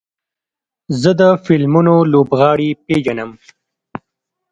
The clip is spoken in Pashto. زه د فلمونو لوبغاړي پیژنم.